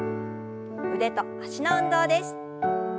腕と脚の運動です。